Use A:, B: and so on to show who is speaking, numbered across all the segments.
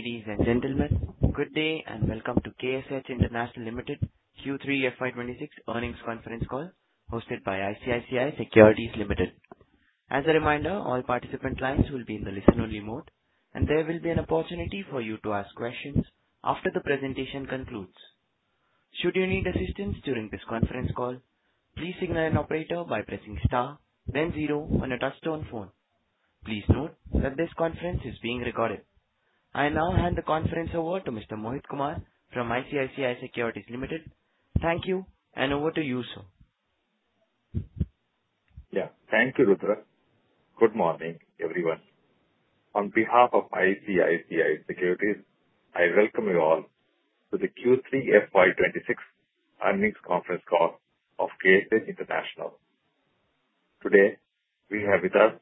A: Ladies and gentlemen, good day and welcome to KSH International Limited Q3 FY 2026 earnings conference call hosted by ICICI Securities Limited. As a reminder, all participant lines will be in the listen only mode, and there will be an opportunity for you to ask questions after the presentation concludes. Should you need assistance during this conference call, please signal an operator by pressing star then zero on a touchtone phone. Please note that this conference is being recorded. I now hand the conference over to Mr. Mohit Kumar from ICICI Securities Limited. Thank you, and over to you, sir.
B: Thank you, Rudra. Good morning, everyone. On behalf of ICICI Securities, I welcome you all to the Q3 FY 2026 earnings conference call of KSH International. Today, we have with us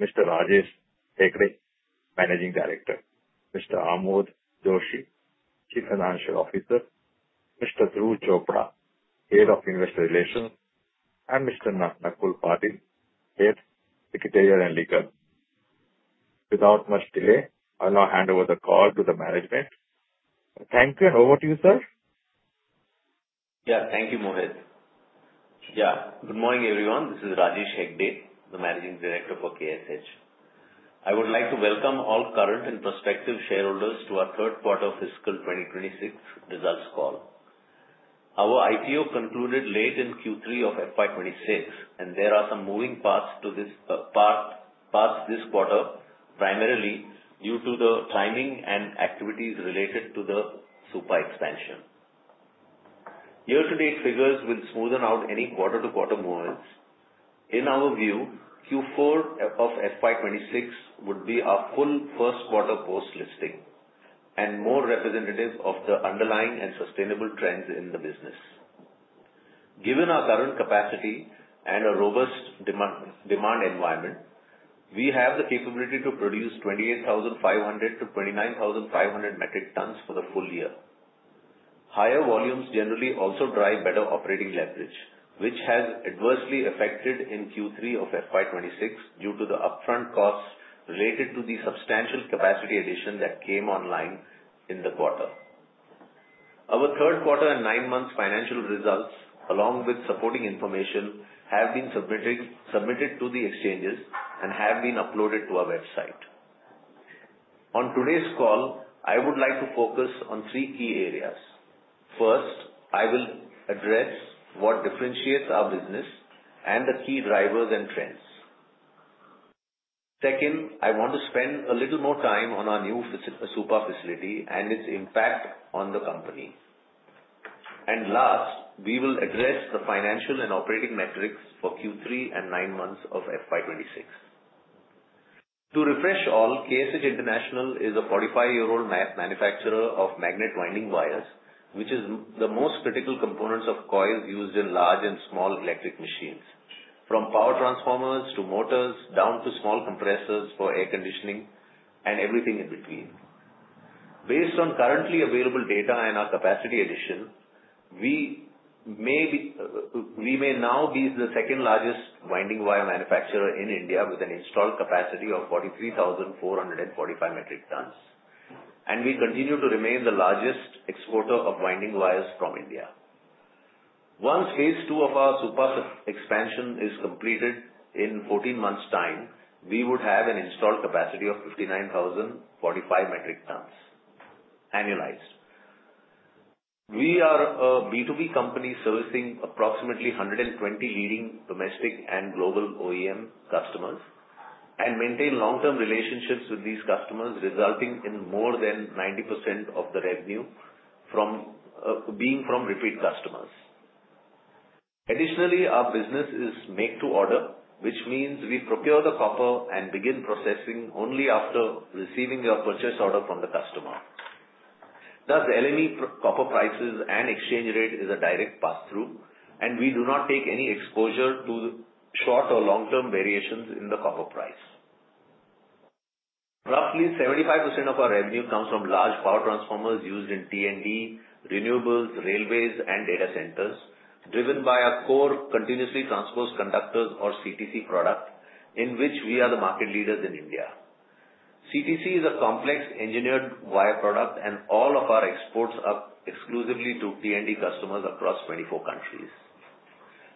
B: Mr. Rajesh Hegde, Managing Director, Mr. Amod Joshi, Chief Financial Officer, Mr. Dhruv Chopra, Head of Investor Relations, and Mr. Nakul Patil, Head, Secretarial and Legal. Without much delay, I will now hand over the call to the management. Thank you, and over to you, sir.
C: Thank you, Mohit. Good morning, everyone. This is Rajesh Hegde, the Managing Director for KSH. I would like to welcome all current and prospective shareholders to our third quarter fiscal 2026 results call. Our IPO concluded late in Q3 of FY 2026, and there are some moving parts this quarter, primarily due to the timing and activities related to the Supa expansion. Year-to-date figures will smoothen out any quarter-to-quarter movements. In our view, Q4 of FY 2026 would be our full first quarter post-listing and more representative of the underlying and sustainable trends in the business. Given our current capacity and a robust demand environment, we have the capability to produce 28,500 to 29,500 metric tons for the full year. Higher volumes generally also drive better operating leverage, which has adversely affected in Q3 of FY 2026 due to the upfront costs related to the substantial capacity addition that came online in the quarter. Our third quarter and nine months financial results, along with supporting information, have been submitted to the exchanges and have been uploaded to our website. On today's call, I would like to focus on three key areas. First, I will address what differentiates our business and the key drivers and trends. Second, I want to spend a little more time on our new Supa facility and its impact on the company. Last, we will address the financial and operating metrics for Q3 and nine months of FY 2026. To refresh all, KSH International is a 45-year-old manufacturer of magnet winding wires, which is the most critical components of coils used in large and small electric machines, from power transformers to motors, down to small compressors for air conditioning and everything in between. Based on currently available data and our capacity addition, we may now be the second-largest winding wire manufacturer in India with an installed capacity of 43,445 metric tons, and we continue to remain the largest exporter of winding wires from India. Once phase 2 of our Supa expansion is completed in 14 months' time, we would have an installed capacity of 59,045 metric tons annualized. We are a B2B company servicing approximately 120 leading domestic and global OEM customers and maintain long-term relationships with these customers, resulting in more than 90% of the revenue being from repeat customers. Our business is made to order, which means we procure the copper and begin processing only after receiving a purchase order from the customer. LME copper prices and exchange rate is a direct pass-through, and we do not take any exposure to short or long-term variations in the copper price. Roughly 75% of our revenue comes from large power transformers used in T&D, renewables, railways, and data centers, driven by our core continuously transposed conductors or CTC product, in which we are the market leaders in India. CTC is a complex engineered wire product and all of our exports are exclusively to T&D customers across 24 countries.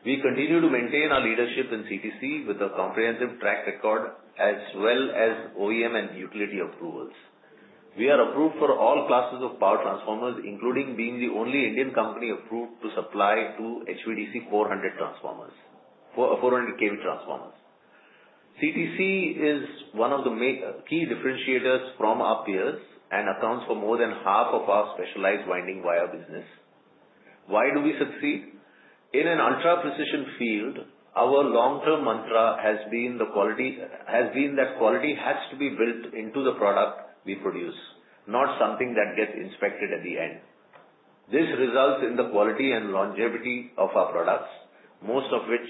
C: We continue to maintain our leadership in CTC with a comprehensive track record as well as OEM and utility approvals. We are approved for all classes of power transformers, including being the only Indian company approved to supply to HVDC 400 kV transformers. CTC is one of the key differentiators from our peers and accounts for more than half of our specialized winding wire business. Why do we succeed? In an ultra-precision field, our long-term mantra has been that quality has to be built into the product we produce, not something that gets inspected at the end. This results in the quality and longevity of our products, most of which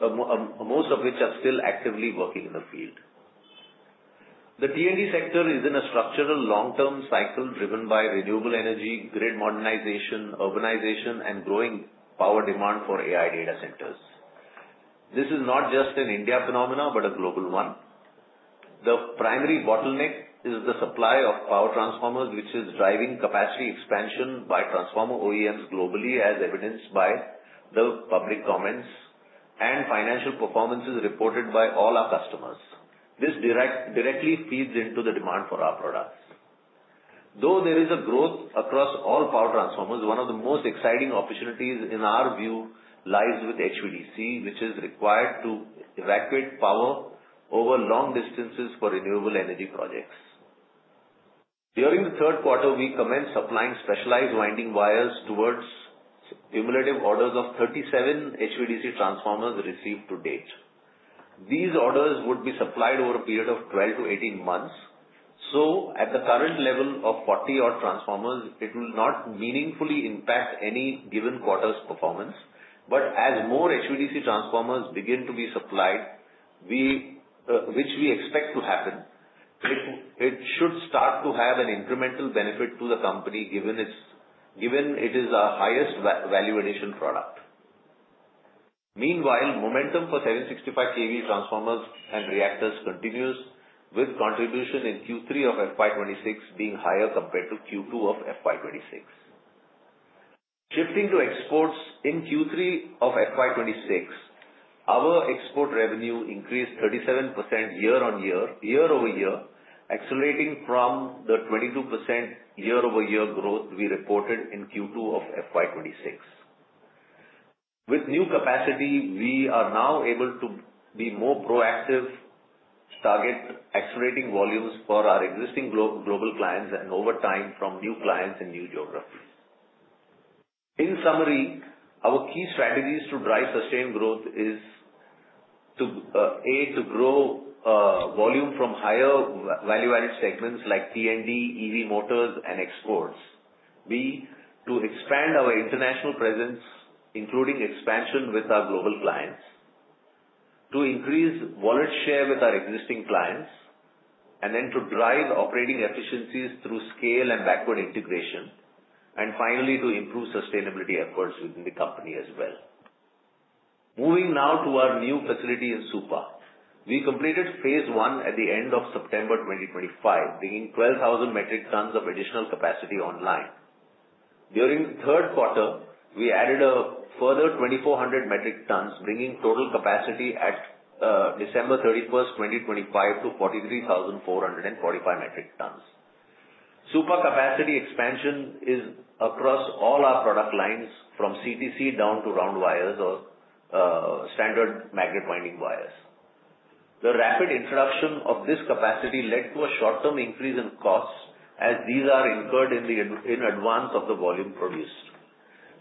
C: are still actively working in the field. The T&D sector is in a structural long-term cycle driven by renewable energy, grid modernization, urbanization, and growing power demand for AI data centers. This is not just an India phenomenon, but a global one. The primary bottleneck is the supply of power transformers, which is driving capacity expansion by transformer OEMs globally, as evidenced by the public comments and financial performances reported by all our customers. This directly feeds into the demand for our products. Though there is a growth across all power transformers, one of the most exciting opportunities in our view lies with HVDC, which is required to evacuate power over long distances for renewable energy projects. During the third quarter, we commenced supplying specialized winding wires towards cumulative orders of 37 HVDC transformers received to date. These orders would be supplied over a period of 12-18 months. At the current level of 40-odd transformers, it will not meaningfully impact any given quarter's performance. As more HVDC transformers begin to be supplied, which we expect to happen, it should start to have an incremental benefit to the company, given it is our highest value addition product. Meanwhile, momentum for 765 kV transformers and reactors continues, with contribution in Q3 of FY 2026 being higher compared to Q2 of FY 2026. Shifting to exports in Q3 of FY 2026, our export revenue increased 37% year-over-year, accelerating from the 22% year-over-year growth we reported in Q2 of FY 2026. With new capacity, we are now able to be more proactive, target accelerating volumes for our existing global clients and over time from new clients in new geographies. In summary, our key strategies to drive sustained growth is, A, to grow volume from higher value-added segments like T&D, EV motors, and exports. B, to expand our international presence, including expansion with our global clients. To increase wallet share with our existing clients, then to drive operating efficiencies through scale and backward integration. Finally, to improve sustainability efforts within the company as well. Moving now to our new facility in Supa. We completed phase 1 at the end of September 2025, bringing 12,000 metric tons of additional capacity online. During the third quarter, we added a further 2,400 metric tons, bringing total capacity at December 31st, 2025 to 43,445 metric tons. Supa capacity expansion is across all our product lines from CTC down to round wires or standard magnet winding wires. The rapid introduction of this capacity led to a short-term increase in costs as these are incurred in advance of the volume produced.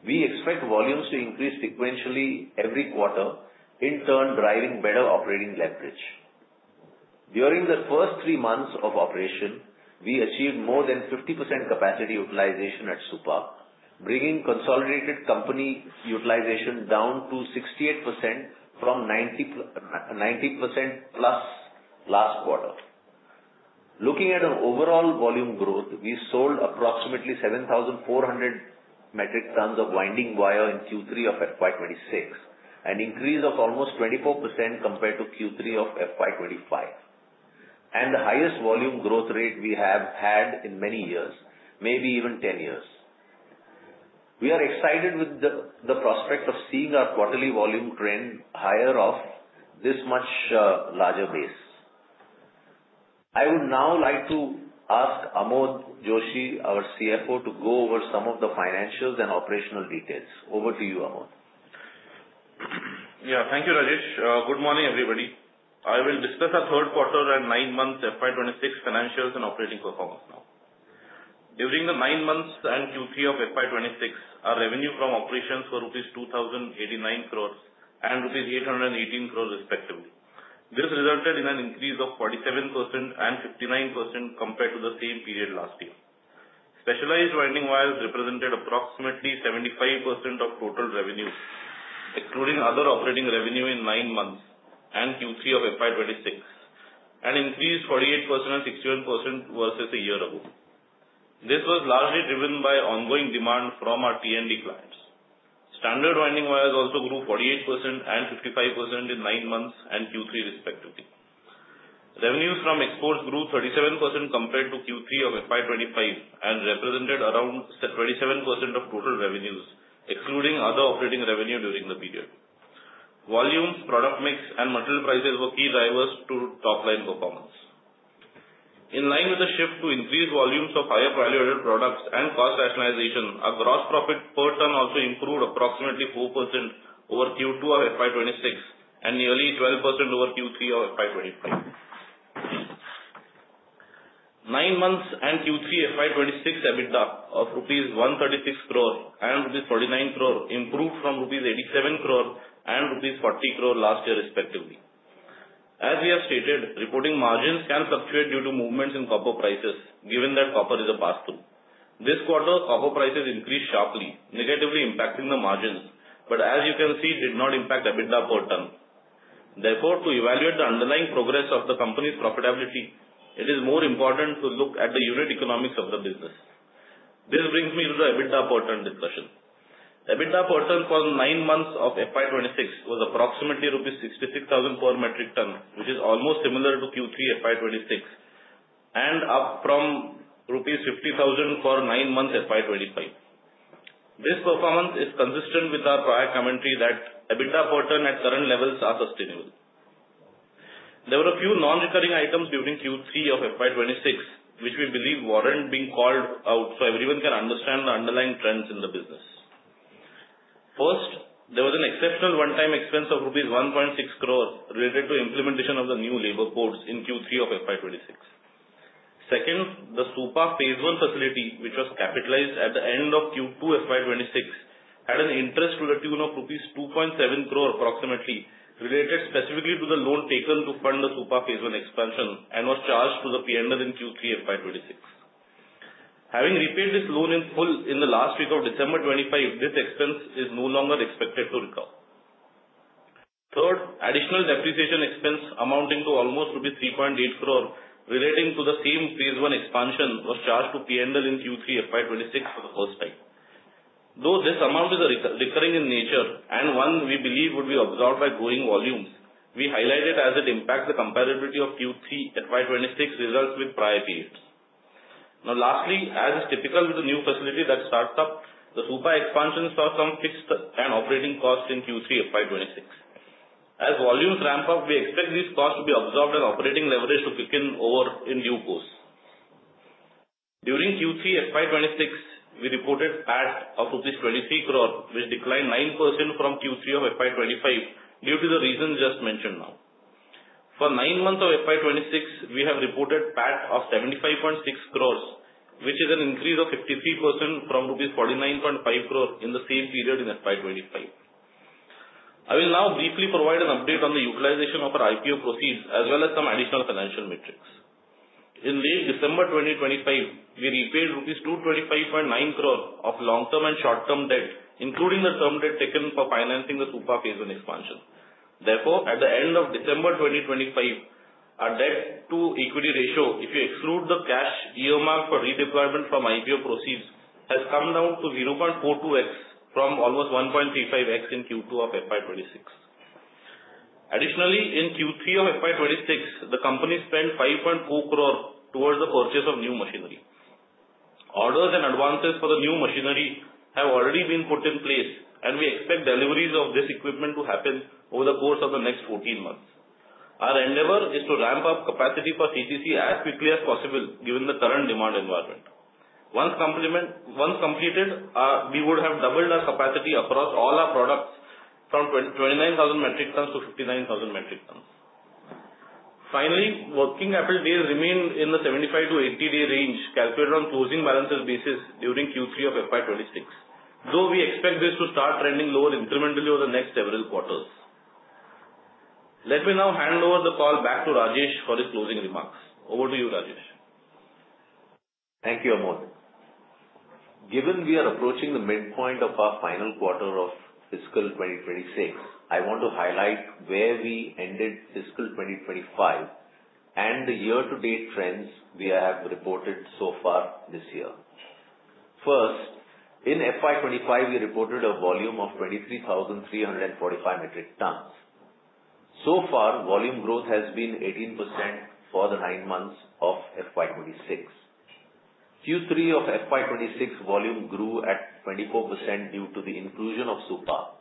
C: We expect volumes to increase sequentially every quarter, in turn driving better operating leverage. During the first three months of operation, we achieved more than 50% capacity utilization at Supa, bringing consolidated company utilization down to 68% from 90%+ last quarter. Looking at an overall volume growth, we sold approximately 7,400 metric tons of winding wire in Q3 of FY 2026, an increase of almost 24% compared to Q3 of FY 2025, and the highest volume growth rate we have had in many years, maybe even 10 years. I would now like to ask Amod Joshi, our CFO, to go over some of the financials and operational details. Over to you, Amod.
D: Thank you, Rajesh. Good morning, everybody. I will discuss our third quarter and nine months FY 2026 financials and operating performance now. During the nine months and Q3 of FY 2026, our revenue from operations for rupees 2,089 crores and rupees 818 crores respectively. This resulted in an increase of 47% and 59% compared to the same period last year. Specialized winding wires represented approximately 75% of total revenue, including other operating revenue in nine months and Q3 of FY 2026, an increase 48% and 61% versus a year ago. This was largely driven by ongoing demand from our T&D clients. Standard winding wires also grew 48% and 55% in nine months and Q3 respectively. Revenues from exports grew 37% compared to Q3 of FY 2025 and represented around 27% of total revenues, excluding other operating revenue during the period. Volumes, product mix, and material prices were key drivers to top-line performance. In line with the shift to increased volumes of higher value-added products and cost rationalization, our gross profit per ton also improved approximately 4% over Q2 of FY 2026 and nearly 12% over Q3 of FY 2025. Nine months and Q3 FY 2026 EBITDA of rupees 136 crore and rupees 49 crore improved from rupees 87 crore and rupees 40 crore last year respectively. As we have stated, reporting margins can fluctuate due to movements in copper prices, given that copper is a passthrough. This quarter, copper prices increased sharply, negatively impacting the margins. As you can see, did not impact EBITDA per ton. Therefore, to evaluate the underlying progress of the company's profitability, it is more important to look at the unit economics of the business. This brings me to the EBITDA per ton discussion. EBITDA per ton for nine months of FY 2026 was approximately INR 66,000 per metric ton, which is almost similar to Q3 FY 2026, and up from rupees 50,000 for nine months FY 2025. This performance is consistent with our prior commentary that EBITDA per ton at current levels are sustainable. There were a few non-recurring items during Q3 of FY 2026, which we believe warrant being called out so everyone can understand the underlying trends in the business. First, there was an exceptional one-time expense of rupees 1.6 crore related to implementation of the new labor codes in Q3 of FY 2026. Second, the Supa phase one facility, which was capitalized at the end of Q2 FY 2026, had an interest to the tune of rupees 2.7 crore approximately related specifically to the loan taken to fund the Supa phase one expansion and was charged to the P&L in Q3 FY 2026. Having repaid this loan in full in the last week of December 2025, this expense is no longer expected to recur. Third, additional depreciation expense amounting to almost rupees 3.8 crore relating to the same phase one expansion was charged to P&L in Q3 FY 2026 for the first time. Though this amount is recurring in nature and one we believe would be absorbed by growing volumes, we highlight it as it impacts the comparability of Q3 FY 2026 results with prior periods. Lastly, as is typical with the new facility that starts up, the Supa expansion saw some fixed and operating costs in Q3 FY 2026. As volumes ramp up, we expect these costs to be absorbed and operating leverage to kick in over in due course. During Q3 FY 2026, we reported PAT of rupees 23 crore, which declined 9% from Q3 of FY 2025 due to the reasons just mentioned now. For nine months of FY 2026, we have reported PAT of 75.6 crore, which is an increase of 53% from INR 49.5 crore in the same period in FY 2025. I will now briefly provide an update on the utilization of our IPO proceeds as well as some additional financial metrics. In late December 2025, we repaid rupees 225.9 crore of long-term and short-term debt, including the term debt taken for financing the Supa phase one expansion. Therefore, at the end of December 2025, our debt to equity ratio, if you exclude the cash earmarked for redeployment from IPO proceeds, has come down to 0.42x from almost 1.35x in Q2 of FY 2026. Additionally, in Q3 of FY 2026, the company spent 5.4 crore towards the purchase of new machinery. Orders and advances for the new machinery have already been put in place, and we expect deliveries of this equipment to happen over the course of the next 14 months. Our endeavor is to ramp up capacity for CTC as quickly as possible given the current demand environment. Once completed, we would have doubled our capacity across all our products from 29,000 metric tons to 59,000 metric tons. Finally, working capital days remain in the 75- to 80-day range calculated on closing balances basis during Q3 of FY 2026, though we expect this to start trending lower incrementally over the next several quarters. Let me now hand over the call back to Rajesh for his closing remarks. Over to you, Rajesh.
C: Thank you, Amod. Given we are approaching the midpoint of our final quarter of fiscal 2026, I want to highlight where we ended fiscal 2025 and the year-to-date trends we have reported so far this year. First, in FY 2025, we reported a volume of 23,345 metric tons. So far, volume growth has been 18% for the nine months of FY 2026. Q3 of FY 2026 volume grew at 24% due to the inclusion of Supa,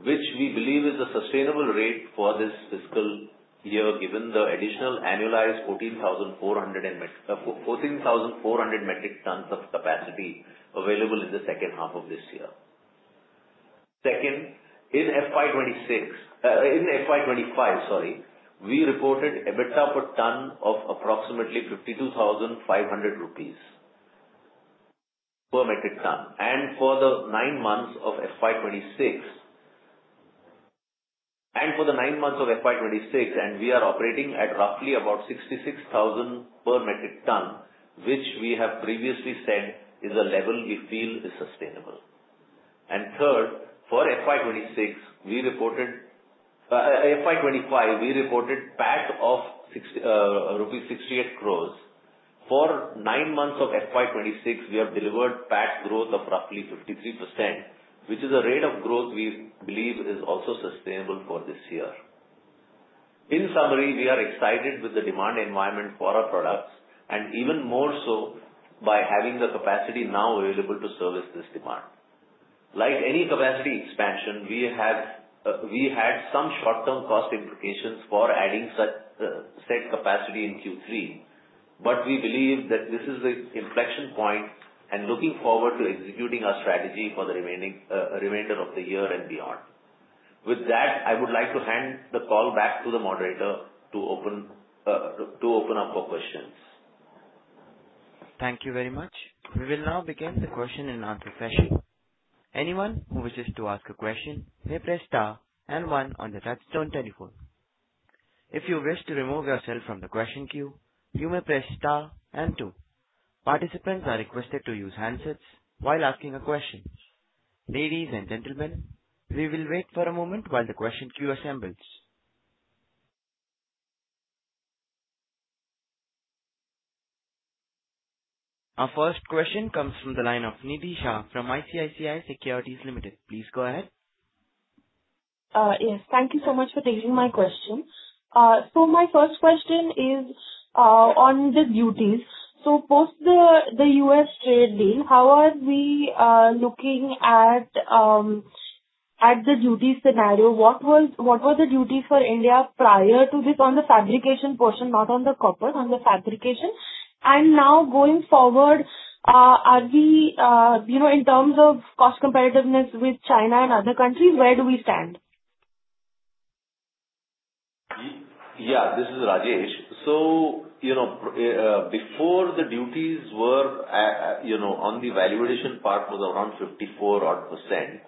C: which we believe is a sustainable rate for this fiscal year given the additional annualized 14,400 metric tons of capacity available in the second half of this year. Second, in FY 2025, we reported EBITDA per ton of approximately 52,500 rupees per metric ton and for the nine months of FY 2026. For the nine months of FY 2026 and we are operating at roughly about 66,000 per metric ton, which we have previously said is a level we feel is sustainable. Third, for FY 2025, we reported PAT of rupees 68 crores. For nine months of FY 2026, we have delivered PAT growth of roughly 53%, which is a rate of growth we believe is also sustainable for this year. In summary, we are excited with the demand environment for our products and even more so by having the capacity now available to service this demand. Like any capacity expansion, we had some short-term cost implications for adding said capacity in Q3. We believe that this is an inflection point and looking forward to executing our strategy for the remainder of the year and beyond. With that, I would like to hand the call back to the moderator to open up for questions.
A: Thank you very much. We will now begin the question and answer session. Anyone who wishes to ask a question may press star and one on the touchtone telephone. If you wish to remove yourself from the question queue, you may press star and two. Participants are requested to use handsets while asking a question. Ladies and gentlemen, we will wait for a moment while the question queue assembles. Our first question comes from the line of Nidhi Shah from ICICI Securities Limited. Please go ahead.
E: Yes. Thank you so much for taking my question. My first question is on the duties. Post the U.S. trade deal, how are we looking at the duty scenario? What was the duty for India prior to this on the fabrication portion, not on the copper, on the fabrication? Now going forward, in terms of cost competitiveness with China and other countries, where do we stand?
C: Yeah, this is Rajesh. Before the duties were on the valuation part was around 54% odd.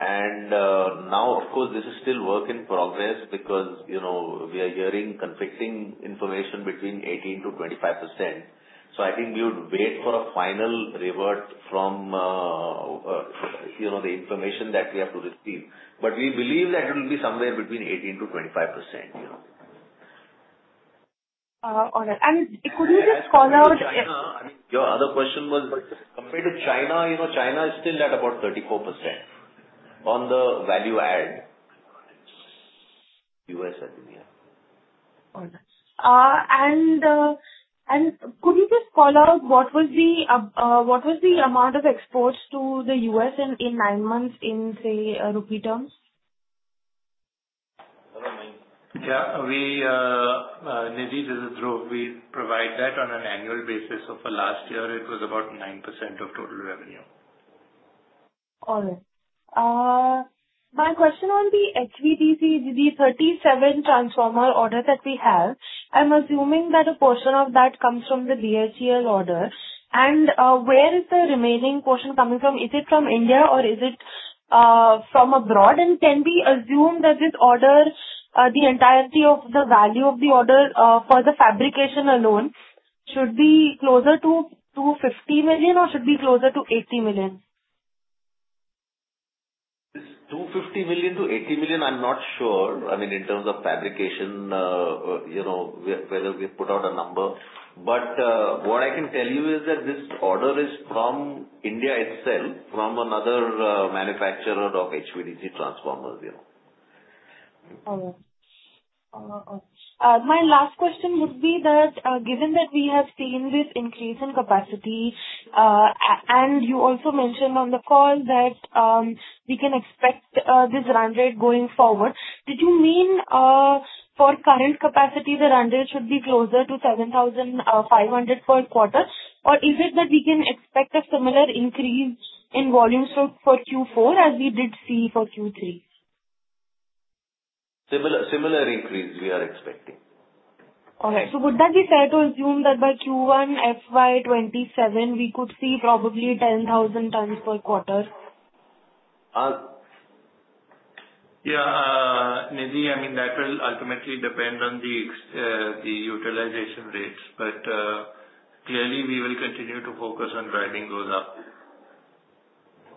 C: Now, of course, this is still work in progress because we are hearing conflicting information between 18%-25%. I think we would wait for a final revert from the information that we have to receive. We believe that it will be somewhere between 18%-25%.
E: All right. Could you just call out?
C: Compared to China, your other question was, compared to China is still at about 34% on the value add, U.S. and India.
E: All right. Could you just call out what was the amount of exports to the U.S. in nine months in, say, rupee terms?
C: Hello, Nidhi.
F: Yeah, Nidhi, this is Dhruv. We provide that on an annual basis. For last year, it was about 9% of total revenue.
E: My question on the HVDC, the 37 transformer orders that we have, I am assuming that a portion of that comes from the BHEL order. Where is the remaining portion coming from? Is it from India or is it from abroad? Can we assume that this order, the entirety of the value of the order for the fabrication alone should be closer to 250 million or should be closer to 80 million?
C: 250 million to 80 million, I'm not sure, I mean, in terms of fabrication, whether we put out a number. What I can tell you is that this order is from India itself, from another manufacturer of HVDC transformers.
E: My last question would be that, given that we have seen this increase in capacity, you also mentioned on the call that we can expect this run rate going forward, did you mean for current capacity, the run rate should be closer to 7,500 per quarter? Or is it that we can expect a similar increase in volumes for Q4 as we did see for Q3?
C: Similar increase we are expecting.
E: All right. Would that be fair to assume that by Q1 FY 2027, we could see probably 10,000 tons per quarter?
F: Yeah, Nidhi, I mean, that will ultimately depend on the utilization rates. Clearly, we will continue to focus on driving those up.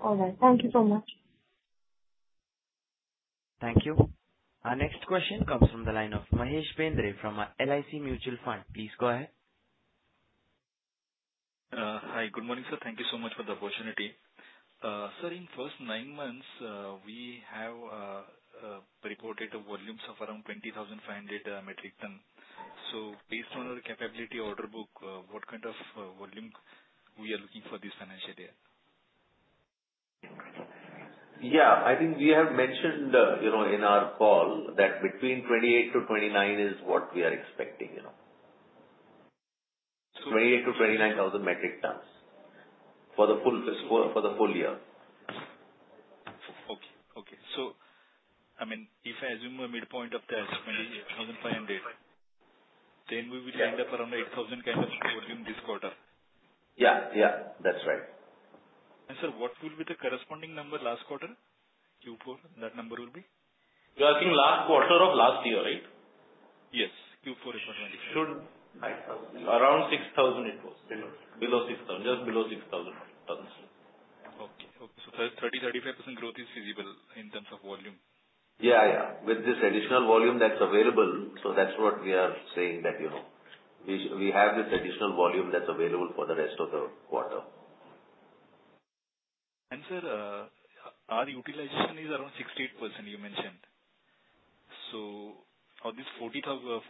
E: All right. Thank you so much.
A: Thank you. Our next question comes from the line of Mahesh Bendre from LIC Mutual Fund. Please go ahead.
G: Hi. Good morning, sir. Thank you so much for the opportunity. Sir, in first nine months, we have reported a volumes of around 20,500 metric tons. Based on our capability order book, what kind of volume we are looking for this financial year?
C: I think we have mentioned in our call that between 28-29 is what we are expecting. 28,000-29,000 metric tons for the full year.
G: Okay. If I assume a midpoint of that 28,500, then we will end up around 8,000 kind of volume this quarter.
C: That's right.
G: Sir, what will be the corresponding number last quarter, Q4, that number will be?
C: You are asking last quarter of last year, right?
G: Yes. Q4 FY 2025.
F: Should-
C: Around 6,000 it was.
F: Below 6,000.
C: Below 6,000. Just below 6,000 tons.
G: Okay. 30, 35% growth is feasible in terms of volume.
C: Yeah. With this additional volume that's available, so that's what we are saying that we have this additional volume that's available for the rest of the quarter.
G: Sir, our utilization is around 68% you mentioned. Of this 43,000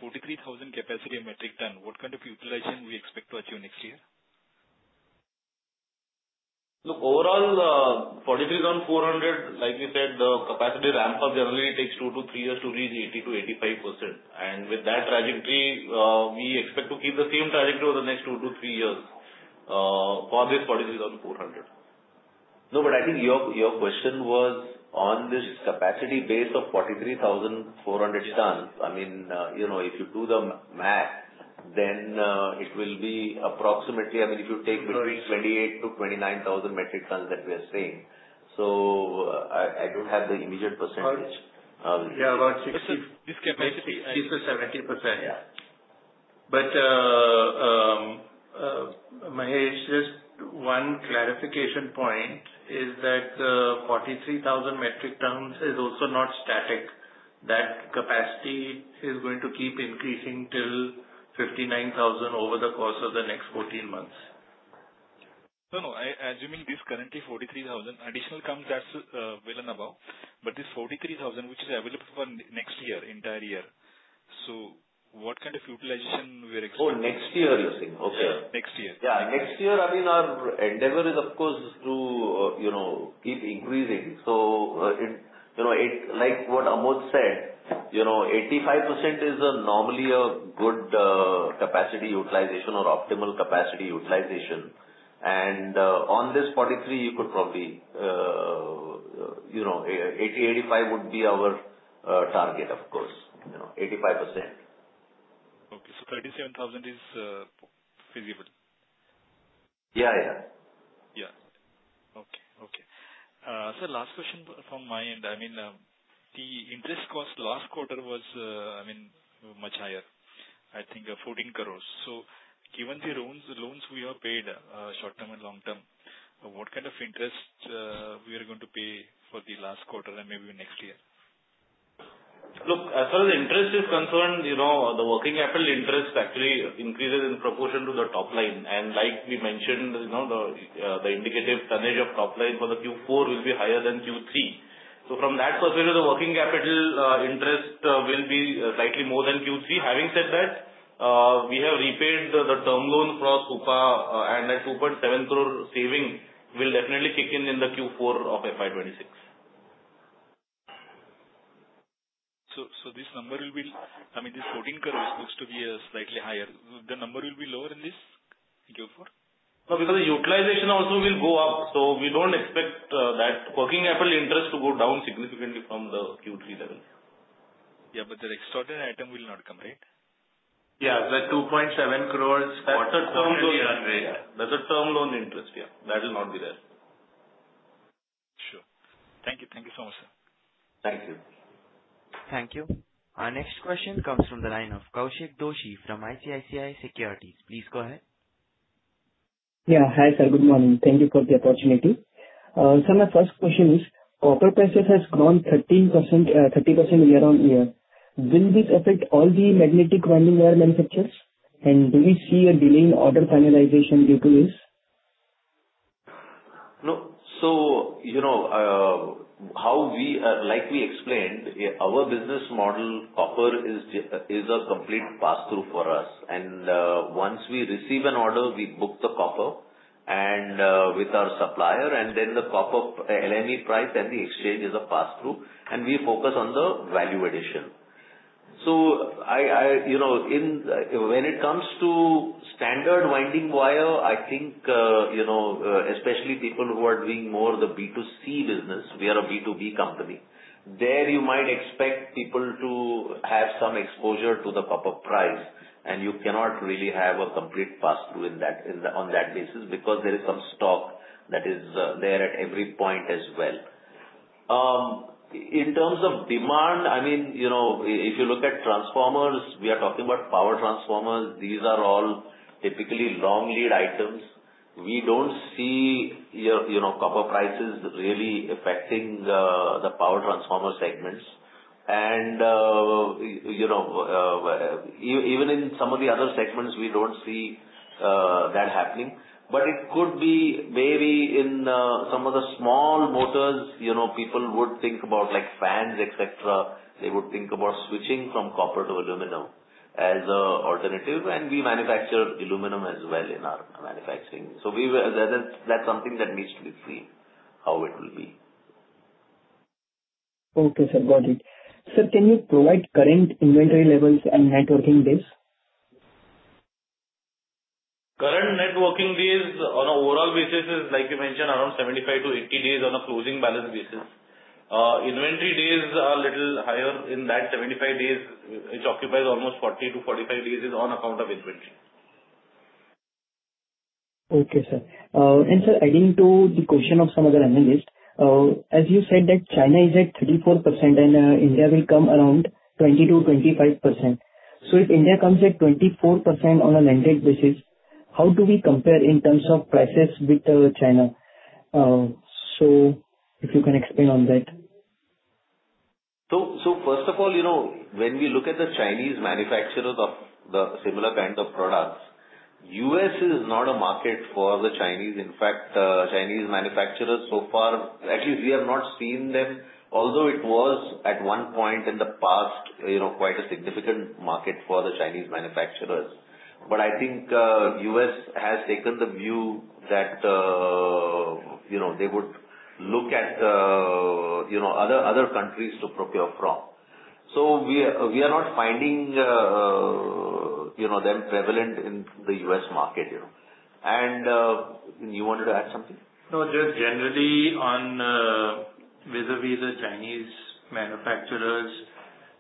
G: capacity in metric ton, what kind of utilization we expect to achieve next year?
F: Look, overall, 43,400, like we said, the capacity ramp-up generally takes two to three years to reach 80%-85%. With that trajectory, we expect to keep the same trajectory over the next two to three years for this 43,400.
C: I think your question was on this capacity base of 43,400 tons. I mean, if you do the math, it will be approximately, I mean, if you take between 28,000-29,000 metric tons that we are saying. I don't have the immediate percentage.
F: Yeah, about 60.
G: This capacity-
F: 60%-70%.
C: Yeah.
D: One clarification point is that the 43,000 metric tons is also not static. That capacity is going to keep increasing till 59,000 over the course of the next 14 months.
G: No, I assuming this currently 43,000 additional comes that's well and above, but this 43,000, which is available for next year, entire year. What kind of utilization we're expecting?
C: Oh, next year, you're saying? Okay.
G: Next year.
C: Yeah. Next year, our endeavor is, of course, to keep increasing. It's like what Amod said, 85% is normally a good capacity utilization or optimal capacity utilization. On this 43, you could probably, 80, 85 would be our target, of course. 85%.
G: Okay. 37,000 is feasible.
C: Yeah.
G: Yeah. Okay. Sir, last question from my end. The interest cost last quarter was much higher. I think 14 crore. Given the loans we have paid, short term and long term, what kind of interest we are going to pay for the last quarter and maybe next year?
D: Look, as far as interest is concerned, the working capital interest actually increases in proportion to the top line. Like we mentioned, the indicative tonnage of top line for the Q4 will be higher than Q3. From that perspective, the working capital interest will be slightly more than Q3. Having said that, we have repaid the term loan for Supa, and that 2.7 crore saving will definitely kick in the Q4 of FY 2026.
G: This number will be This 14 crore looks to be slightly higher. The number will be lower in this Q4?
D: No, because the utilization also will go up, so we don't expect that working capital interest to go down significantly from the Q3 level.
G: Yeah. That extraordinary item will not come, right?
D: Yeah. The 2.7 crores.
C: That's a term loan, right?
D: That's a term loan interest. Yeah. That will not be there.
G: Sure. Thank you so much, sir.
C: Thank you.
A: Thank you. Our next question comes from the line of Kaushik Doshi from ICICI Securities. Please go ahead.
H: Yeah. Hi, sir. Good morning. Thank you for the opportunity. Sir, my first question is, copper prices has grown 30% year-on-year. Will this affect all the magnetic winding wire manufacturers? Do we see a delay in order finalization due to this?
C: No. Like we explained, our business model, copper is a complete passthrough for us. Once we receive an order, we book the copper with our supplier, then the copper LME price at the exchange is a passthrough, and we focus on the value addition. When it comes to standard winding wire, I think, especially people who are doing more of the B2C business, we are a B2B company. There you might expect people to have some exposure to the copper price, and you cannot really have a complete passthrough on that basis, because there is some stock that is there at every point as well. In terms of demand, if you look at transformers, we are talking about power transformers. These are all typically long lead items. We don't see copper prices really affecting the power transformer segments. Even in some of the other segments, we don't see that happening. It could be maybe in some of the small motors, people would think about fans, et cetera. They would think about switching from copper to aluminum as a alternative. And we manufacture aluminum as well in our manufacturing. That's something that needs to be seen, how it will be.
H: Okay, sir. Got it. Sir, can you provide current inventory levels and net working days?
D: Current net working days on a overall basis is, like you mentioned, around 75-80 days on a closing balance basis. Inventory days are little higher in that 75 days. It occupies almost 40-45 days is on account of inventory.
H: Okay, sir. Sir, adding to the question of some other analyst, as you said that China is at 34% and India will come around 20%-25%. If India comes at 24% on a landed basis, how do we compare in terms of prices with China? If you can expand on that.
C: First of all, when we look at the Chinese manufacturers of the similar kinds of products, U.S. is not a market for the Chinese. In fact, Chinese manufacturers so far, actually, we have not seen them, although it was at one point in the past, quite a significant market for the Chinese manufacturers. I think U.S. has taken the view that they would look at other countries to procure from. We are not finding them prevalent in the U.S. market. You wanted to add something?
D: No, just generally on vis-a-vis the Chinese manufacturers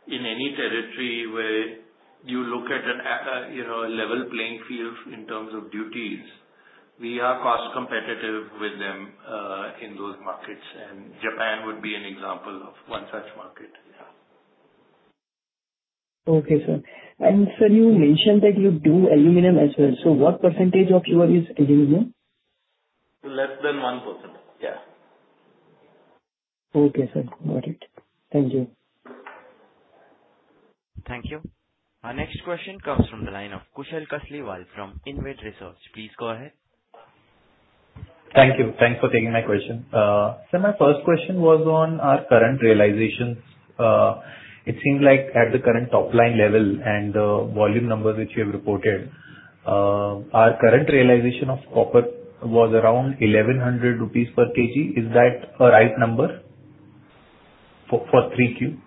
D: in any territory where you look at a level playing field in terms of duties, we are cost competitive with them, in those markets, and Japan would be an example of one such market.
H: Okay, sir. Sir, you mentioned that you do aluminum as well. What percentage of your is aluminum?
C: Less than 1%. Yeah.
H: Okay, sir. Got it. Thank you.
A: Thank you. Our next question comes from the line of Kushal Kasliwal from Invict Research. Please go ahead.
I: Thank you. Thanks for taking my question. Sir, my first question was on our current realizations. It seemed like at the current top-line level and the volume numbers which you have reported, our current realization of copper was around INR 1,100 per kg. Is that a right number for 3Q?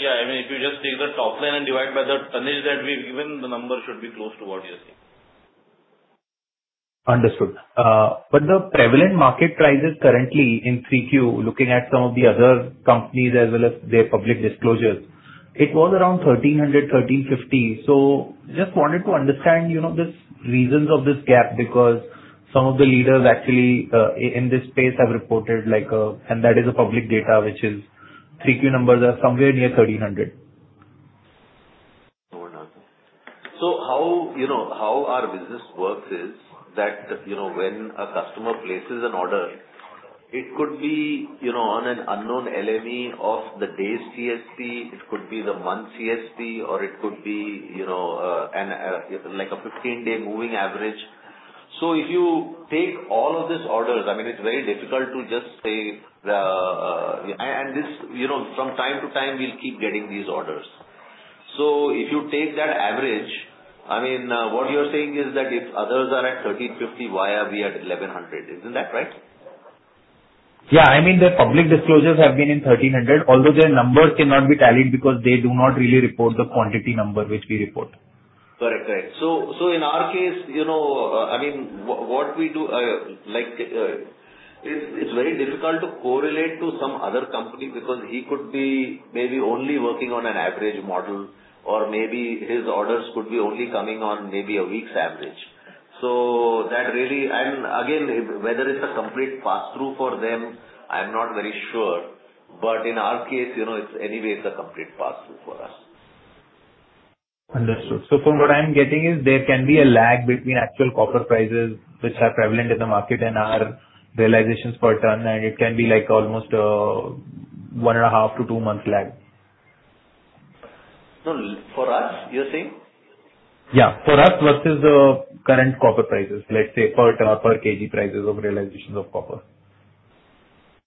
C: Yeah. If you just take the top line and divide by the tonnage that we've given, the number should be close to what you're saying.
I: Understood. The prevalent market prices currently in 3Q, looking at some of the other companies as well as their public disclosures, it was around 1,300, 1,350. Just wanted to understand the reasons of this gap, because some of the leaders actually in this space have reported, and that is a public data, which is 3Q numbers are somewhere near 1,300.
C: Hold on. How our business works is that, when a customer places an order, it could be on an unknown LME of the day's CST, it could be the month CST or it could be a 15-day moving average. If you take all of these orders, it's very difficult to just say. From time to time, we'll keep getting these orders. If you take that average, what you're saying is that if others are at 1,350, why are we at 1,100? Isn't that right?
I: Yeah. The public disclosures have been in 1,300, although their numbers cannot be tallied because they do not really report the quantity number which we report.
C: Correct. In our case, what we do, it's very difficult to correlate to some other company because he could be maybe only working on an average model or maybe his orders could be only coming on maybe a week's average. Again, whether it's a complete passthrough for them, I'm not very sure. In our case, anyway, it's a complete passthrough for us.
I: Understood. From what I'm getting is there can be a lag between actual copper prices which are prevalent in the market and our realizations per ton, and it can be almost one and a half to two months lag.
C: For us, you're saying?
I: Yeah. For us versus the current copper prices, let's say per ton or per kg prices of realizations of copper.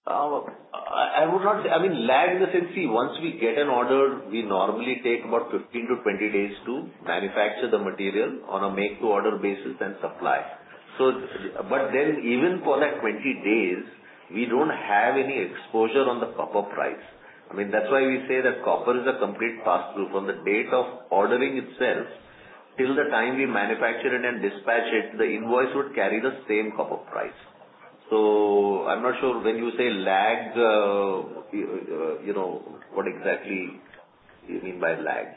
C: I would not say. Lag in the sense, see, once we get an order, we normally take about 15 to 20 days to manufacture the material on a make-to-order basis and supply. Even for that 20 days, we do not have any exposure on the copper price. That is why we say that copper is a complete passthrough. From the date of ordering itself till the time we manufacture it and dispatch it, the invoice would carry the same copper price. I am not sure when you say lags, what exactly you mean by lags.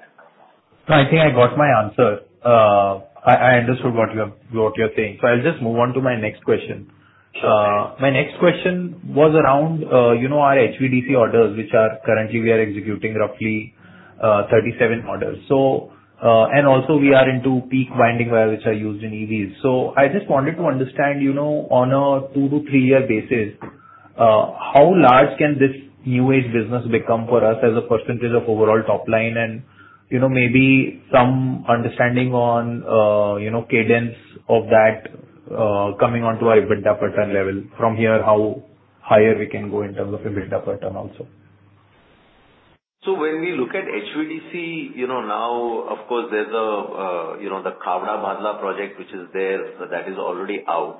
I: I think I got my answer. I understood what you are saying. I will just move on to my next question.
C: Sure.
I: My next question was around our HVDC orders, which are currently we are executing roughly 37 orders. Also we are into PEEK winding wire, which are used in EVs. I just wanted to understand on a two- to three-year basis, how large can this new age business become for us as a percentage of overall top line and maybe some understanding on cadence of that coming onto our EBITDA per ton level from here, how higher we can go in terms of EBITDA per ton also.
C: When we look at HVDC now, of course there is the Khavda-Bhadla project which is there, that is already out.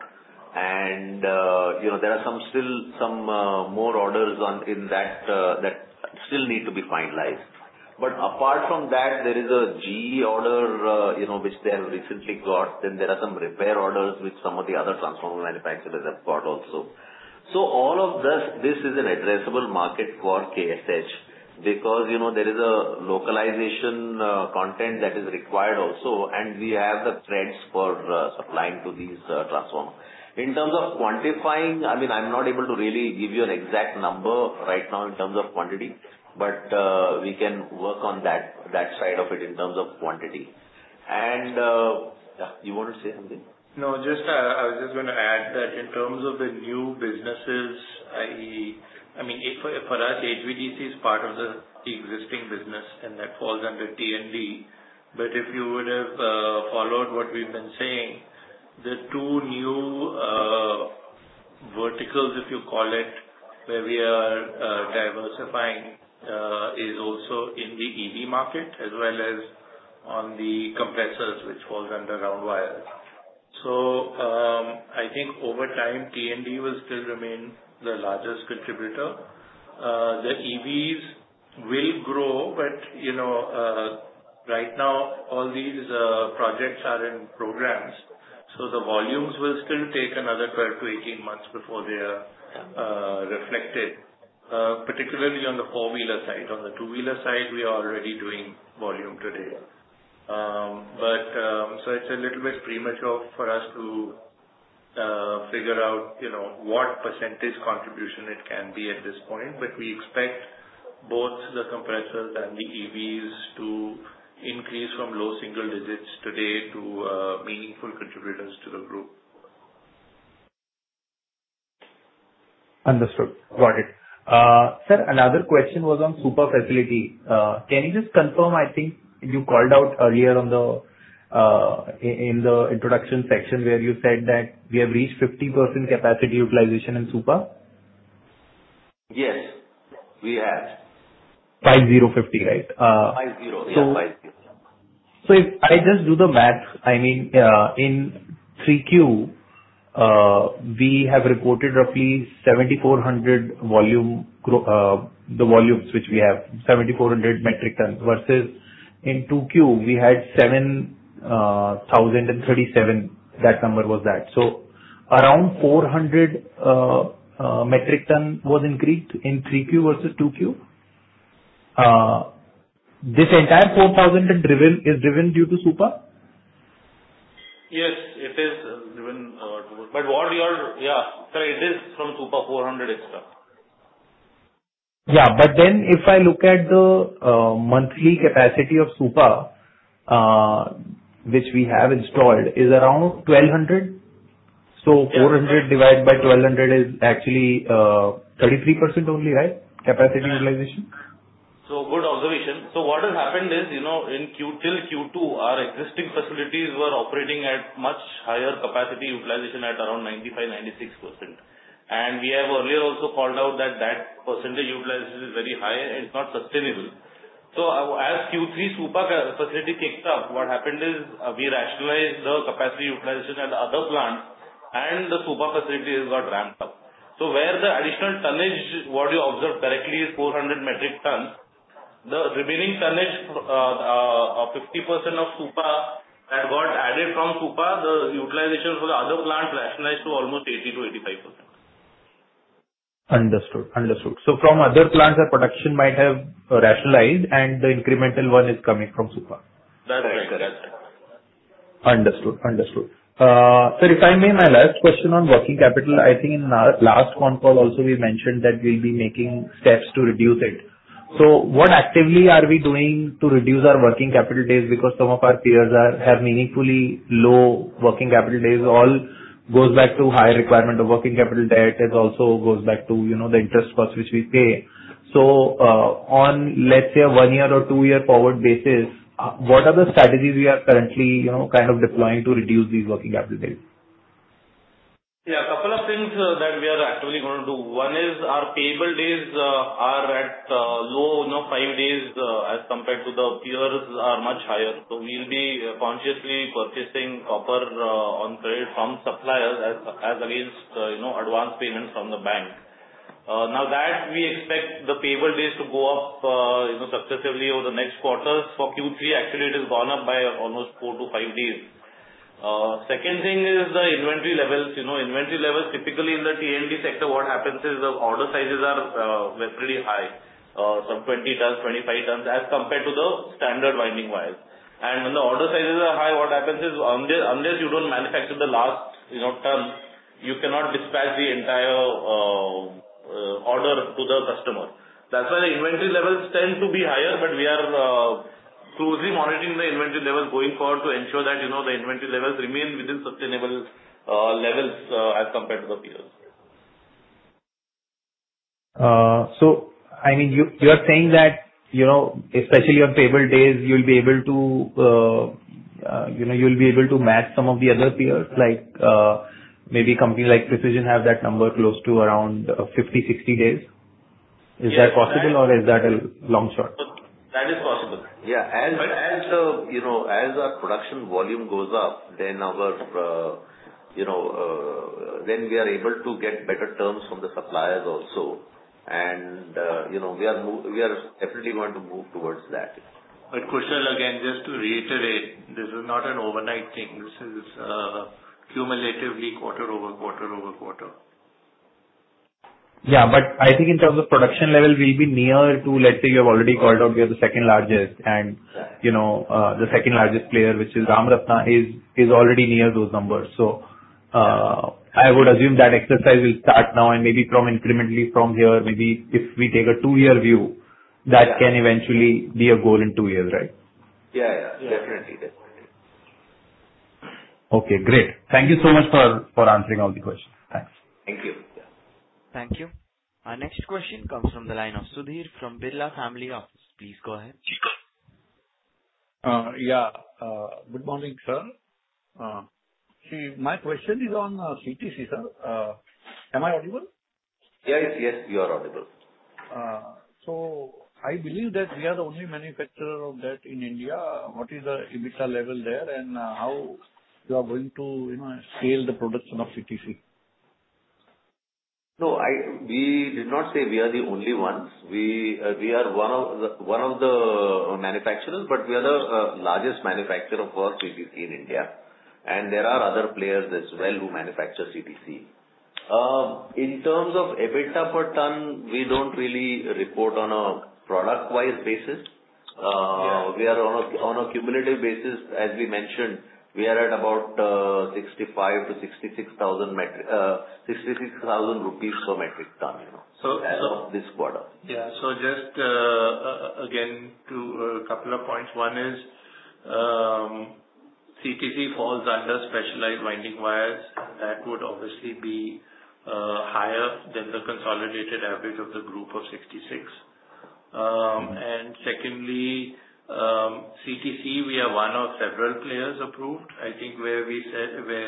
C: There are still some more orders that still need to be finalized. Apart from that, there is a GE order which they have recently got. There are some repair orders which some of the other transformer manufacturers have got also. All of this is an addressable market for KSH because there is a localization content that is required also, and we have the threads for supplying to these transformers. In terms of quantifying, I am not able to really give you an exact number right now in terms of quantity, but we can work on that side of it in terms of quantity. Yeah, you want to say something?
F: No, I was just going to add that in terms of the new businesses, for us, HVDC is part of the existing business, and that falls under T&D. If you would have followed what we've been saying, the two new verticals, if you call it, where we are diversifying is also in the EV market as well as on the compressors, which falls under round wires. I think over time, T&D will still remain the largest contributor. The EVs will grow, but right now all these projects are in programs, so the volumes will still take another 12-18 months before they are reflected particularly on the four-wheeler side. On the two-wheeler side, we are already doing volume production
D: It's a little bit premature for us to figure out what % contribution it can be at this point, but we expect both the compressors and the EVs to increase from low single digits today to meaningful contributors to the group.
I: Understood. Got it. Sir, another question was on Supa facility. Can you just confirm, I think you called out earlier in the introduction section where you said that we have reached 50% capacity utilization in Supa.
D: Yes. We have.
I: 50, right?
D: 50. Yeah, 50.
I: If I just do the math, in 3Q, we have reported roughly 7,400 volumes, which we have 7,400 metric tons versus in 2Q, we had 7,037. That number was that. Around 400 metric ton was increased in 3Q versus 2Q. This entire 4,000 is driven due to Supa?
D: Yes, it is driven. What we are Yeah. Sir, it is from Supa, 400 extra.
I: Yeah. If I look at the monthly capacity of Supa, which we have installed, is around 1,200. 400 divided by 1,200 is actually 33% only, right, capacity utilization?
D: Good observation. What has happened is, till Q2, our existing facilities were operating at much higher capacity utilization at around 95%, 96%. We have earlier also called out that that percentage utilization is very high and it's not sustainable. As Q3 Supa facility kicked off, what happened is, we rationalized the capacity utilization at the other plants and the Supa facility got ramped up. Where the additional tonnage, what you observed correctly is 400 metric tons, the remaining tonnage, 50% of Supa had got added from Supa, the utilization for the other plant rationalized to almost 80%-85%.
I: Understood. From other plants, the production might have rationalized and the incremental one is coming from Supa.
D: That's right.
I: Understood. Sir, if I may, my last question on working capital, I think in our last concall also we mentioned that we'll be making steps to reduce it. What actively are we doing to reduce our working capital days because some of our peers have meaningfully low working capital days? All goes back to higher requirement of working capital debt. It also goes back to the interest cost which we pay. On, let's say a one year or two year forward basis, what are the strategies we are currently deploying to reduce these working capital days?
D: A couple of things that we are actively going to do. One is our payable days are at low, five days, as compared to the peers are much higher. We'll be consciously purchasing copper on credit from suppliers as against advance payments from the bank. Now that we expect the payable days to go up successively over the next quarters. For Q3, actually it has gone up by almost four to five days. Second thing is the inventory levels. Inventory levels typically in the T&D sector, what happens is, the order sizes were pretty high. Some 20 tons, 25 tons, as compared to the standard winding wires. When the order sizes are high, what happens is, unless you don't manufacture the last tons, you cannot dispatch the entire order to the customer. That's why the inventory levels tend to be higher, we are closely monitoring the inventory levels going forward to ensure that the inventory levels remain within sustainable levels as compared to the peers.
I: You're saying that, especially on payable days, you'll be able to match some of the other peers, like maybe company like Precision have that number close to around 50, 60 days. Is that possible or is that a long shot?
D: That is possible.
C: Yeah. As our production volume goes up, then we are able to get better terms from the suppliers also. We are definitely going to move towards that.
D: Kushal, again, just to reiterate, this is not an overnight thing. This is cumulatively quarter over quarter over quarter.
I: Yeah. I think in terms of production level, we'll be near to, let's say you have already called out we are the second largest.
D: Right
I: the second-largest player, which is Ram Ratna, is already near those numbers. I would assume that exercise will start now and maybe from incrementally from here, maybe if we take a two-year view, that can eventually be a goal in two years, right?
D: Yeah. Definitely.
I: Okay, great. Thank you so much for answering all the questions. Thanks.
D: Thank you.
A: Thank you. Our next question comes from the line of Sudhir from Birla Family Office. Please go ahead.
J: Yeah. Good morning, sir. My question is on CTC, sir. Am I audible?
C: Yes. You are audible.
J: I believe that we are the only manufacturer of that in India. What is the EBITDA level there and how you are going to scale the production of CTC?
C: No. We did not say we are the only ones. We are one of the manufacturers, but we are the largest manufacturer of CTC in India, and there are other players as well who manufacture CTC. In terms of EBITDA per ton, we don't really report on a product-wise basis.
F: Yeah.
C: We are on a cumulative basis. As we mentioned, we are at about 65,000-66,000 per metric ton.
F: So-
C: As of this quarter.
F: Yeah. Just, again, two couple of points. One is, CTC falls under specialized winding wires. That would obviously be higher than the consolidated average of the group of 66,000. Secondly, CTC, we are one of several players approved, I think where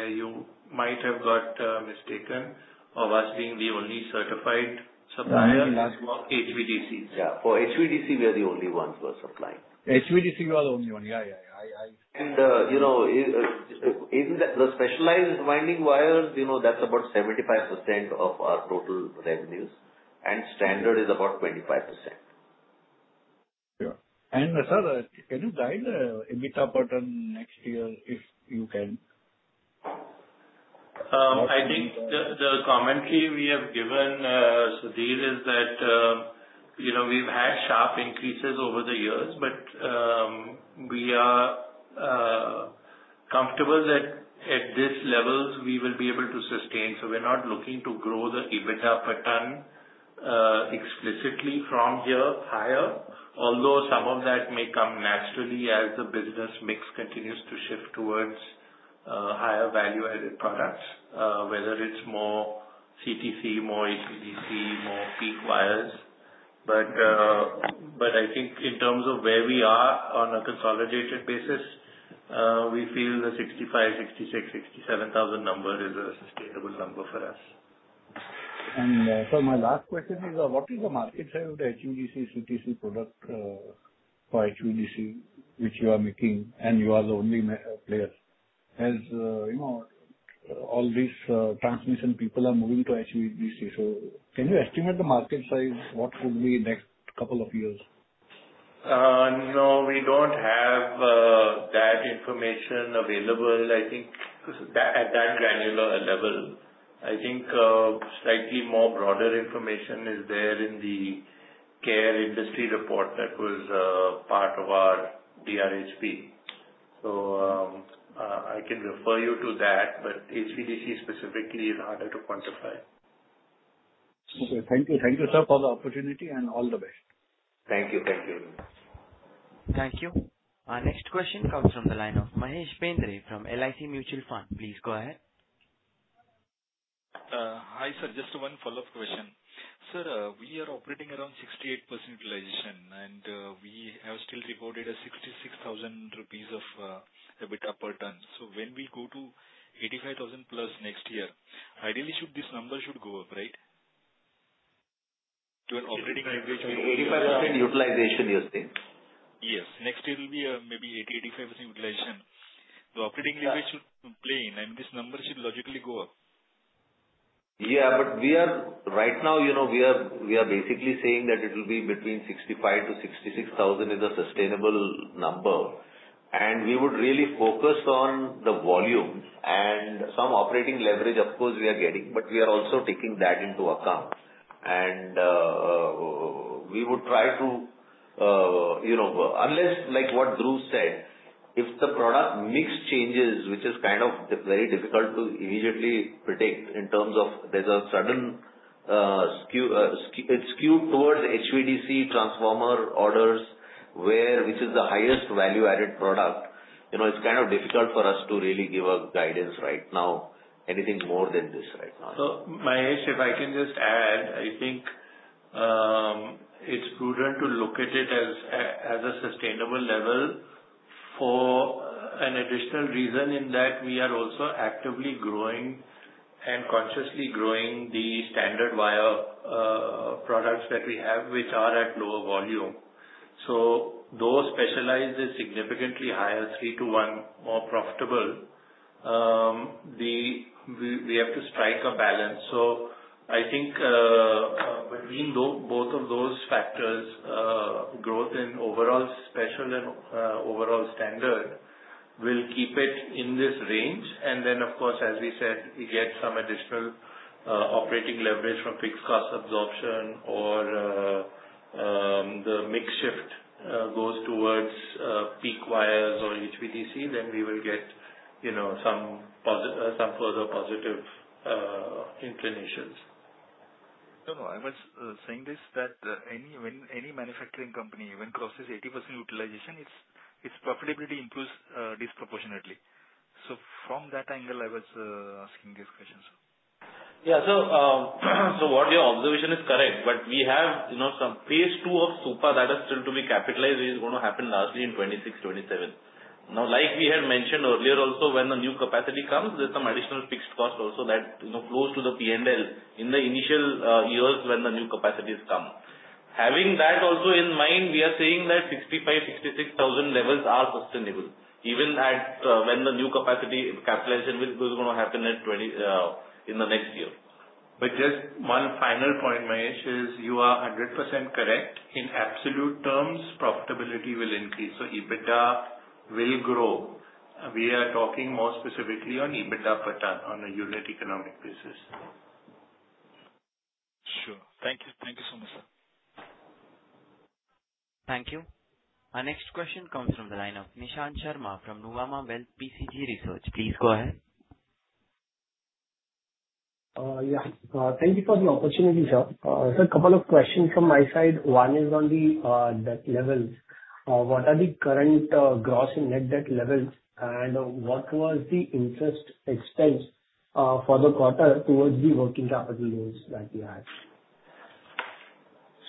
F: you might have got mistaken of us being the only certified supplier for HVDC.
C: Yeah. For HVDC, we are the only ones who are supplying.
F: HVDC, you are the only one. Yeah.
C: In the specialized winding wires, that's about 75% of our total revenues, and standard is about 25%.
F: Sure. Sir, can you guide EBITDA per ton next year if you can?
C: I think the commentary we have given, Sudhir, is that we've had sharp increases over the years, but we are comfortable that at this level we will be able to sustain. We're not looking to grow the EBITDA per ton explicitly from here higher. Although some of that may come naturally as the business mix continues to shift towards higher value-added products, whether it's more CTC, more AC/DC, more PEEK wires. I think in terms of where we are on a consolidated basis, we feel the 65,000, 66,000, 67,000 number is a sustainable number for us.
F: Sir, my last question is, what is the market size of the HVDC CTC product for HVDC which you are making and you are the only player? As you know, all these transmission people are moving to HVDC. Can you estimate the market size? What could be next couple of years?
C: No, we don't have that information available, I think, at that granular level. I think slightly more broader information is there in the CARE industry report that was part of our DRHP. I can refer you to that, but HVDC specifically is harder to quantify.
F: Okay. Thank you, sir, for the opportunity and all the best.
C: Thank you.
A: Thank you. Our next question comes from the line of Mahesh Bendre from LIC Mutual Fund. Please go ahead.
G: Hi, sir, just one follow-up question. Sir, we are operating around 68% utilization, we have still recorded 66,000 rupees of EBITDA per ton. When we go to 85% plus next year, ideally this number should go up, right?
C: 85% utilization you're saying?
G: Yes. Next year will be maybe 80%-85% utilization. Operating leverage should remain, and this number should logically go up.
C: Right now we are basically saying that it will be between 65,000-66,000 is a sustainable number. We would really focus on the volumes and some operating leverage of course we are getting, but we are also taking that into account. We would try to, unless like what Dhruv said, if the product mix changes, which is kind of very difficult to immediately predict in terms of there's a sudden skew towards HVDC transformer orders, which is the highest value-added product. It's kind of difficult for us to really give a guidance right now, anything more than this right now.
F: Mahesh, if I can just add, I think it's prudent to look at it as a sustainable level for an additional reason in that we are also actively growing and consciously growing the standard wire products that we have, which are at lower volume. Though specialized is significantly higher, 3 to 1 more profitable, we have to strike a balance. I think between both of those factors, growth in overall special and overall standard will keep it in this range. Of course, as we said, we get some additional operating leverage from fixed cost absorption or the mix shift goes towards PEEK wires or HVDC, then we will get some further positive inclinations.
G: I was saying this that any manufacturing company, when crosses 80% utilization, its profitability improves disproportionately. From that angle, I was asking this question, sir.
D: Your observation is correct. We have some phase 2 of Supa that is still to be capitalized, is going to happen largely in 2026, 2027. Like we had mentioned earlier also when the new capacity comes, there is some additional fixed cost also that flows to the P&L in the initial years when the new capacities come. Having that also in mind, we are saying that 65,000, 66,000 levels are sustainable even when the new capacity capitalization which was going to happen in the next year.
C: Just one final point, Mahesh, is you are 100% correct. In absolute terms profitability will increase. EBITDA will grow.
D: We are talking more specifically on EBITDA % on a unit economic basis.
G: Sure. Thank you so much, sir.
A: Thank you. Our next question comes from the line of Nishant Sharma from Nuvama Wealth PCG Research. Please go ahead.
K: Thank you for the opportunity, sir. Sir, couple of questions from my side. One is on the debt levels. What are the current gross and net debt levels, and what was the interest expense for the quarter towards the working capital loans that we had?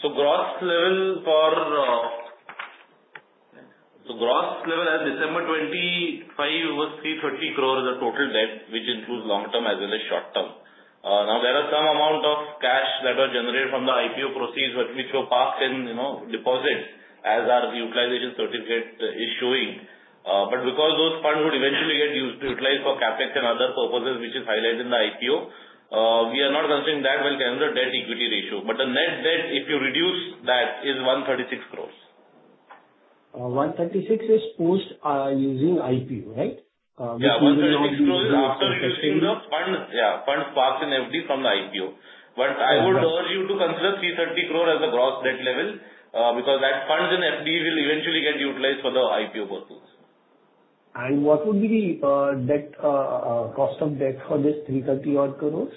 D: Gross level as December 25 was 330 crore as the total debt, which includes long-term as well as short-term. There are some amount of cash that was generated from the IPO proceeds, which were parked in deposits as our utilization certificate is showing. Because those funds would eventually get utilized for CapEx and other purposes, which is highlighted in the IPO, we are not considering that when it comes to debt equity ratio. The net debt, if you reduce that, is 136 crores.
K: 136 is post using IPO, right?
D: 136 crore is after issuing the funds parked in FD from the IPO. I would urge you to consider 330 crore as a gross debt level, because that funds in FD will eventually get utilized for the IPO purpose.
K: What would be the cost of debt for this 330 odd crore?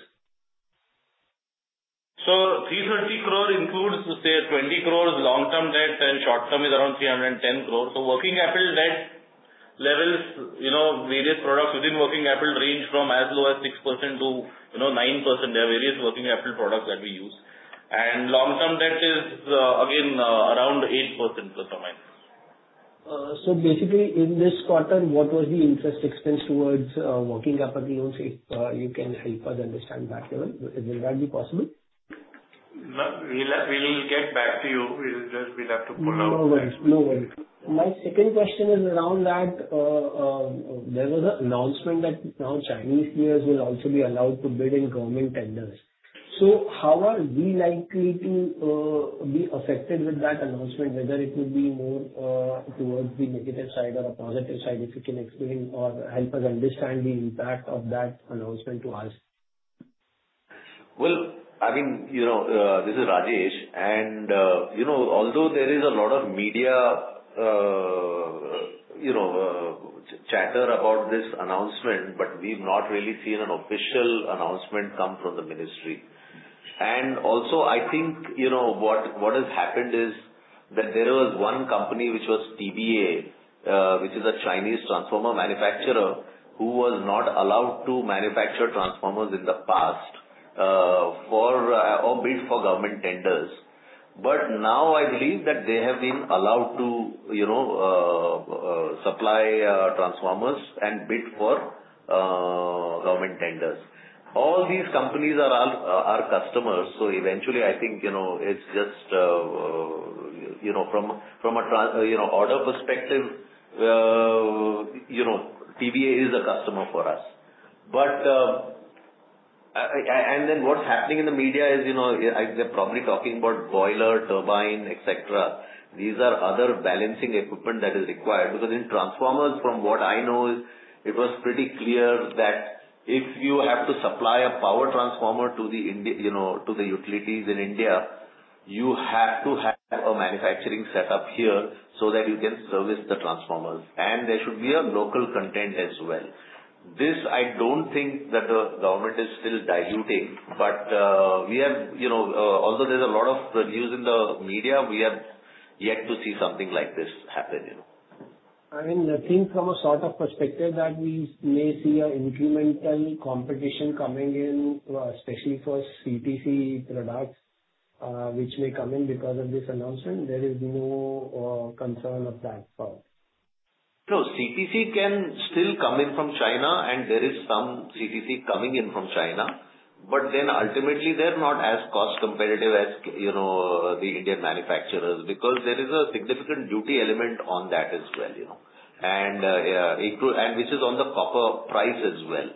D: 330 crore includes, say, 20 crore long-term debt and short-term is around 310 crore. Working capital debt levels, various products within working capital range from as low as 6% to 9%. There are various working capital products that we use. Long-term debt is again around 8% plus or minus.
K: Basically in this quarter, what was the interest expense towards working capital loans, if you can help us understand that level. Will that be possible?
D: We'll get back to you. We'll have to pull out that.
K: No worries. My second question is around that there was an announcement that now Chinese players will also be allowed to bid in government tenders. How are we likely to be affected with that announcement, whether it will be more towards the negative side or a positive side, if you can explain or help us understand the impact of that announcement to us?
D: Well, this is Rajesh, and although there is a lot of media chatter about this announcement, but we've not really seen an official announcement come from the ministry. Also, I think what has happened is that there was one company which was TBEA, which is a Chinese transformer manufacturer who was not allowed to manufacture transformers in the past or bid for government tenders. Now I believe that they have been allowed to supply transformers and bid for government tenders. All these companies are our customers, so eventually, I think, from an order perspective, TBEA is a customer for us. Then what's happening in the media is they're probably talking about boiler, turbine, et cetera. These are other balancing equipment that is required because in transformers, from what I know, it was pretty clear that if you have to supply a power transformer to the utilities in India, you have to have a manufacturing set up here so that you can service the transformers. There should be a local content as well. This I don't think that the government is still diluting, but although there's a lot of news in the media, we are yet to see something like this happen.
K: From a sort of perspective that we may see an incremental competition coming in, especially for CTC products, which may come in because of this announcement. There is no concern of that sort?
C: CTC can still come in from China, and there is some CTC coming in from China. Ultimately, they're not as cost competitive as the Indian manufacturers because there is a significant duty element on that as well, and which is on the copper price as well.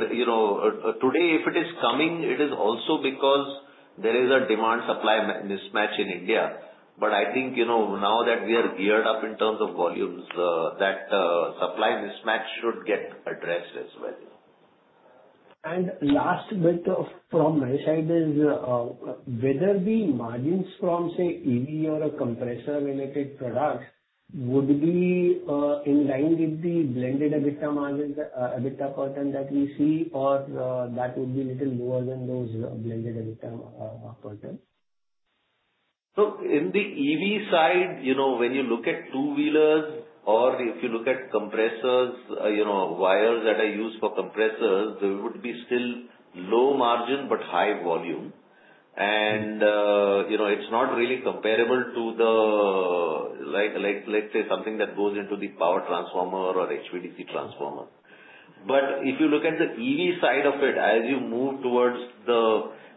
C: Today, if it is coming, it is also because there is a demand-supply mismatch in India. I think now that we are geared up in terms of volumes, that supply mismatch should get addressed as well.
K: Last bit from my side is whether the margins from, say, EV or a compressor related products would be in line with the blended EBITDA % that we see, or that would be little lower than those blended EBITDA %?
C: In the EV side, when you look at two-wheelers or if you look at compressors, wires that are used for compressors, they would be still low margin but high volume. It's not really comparable to, let's say, something that goes into the power transformer or HVDC transformer. If you look at the EV side of it, as you move towards the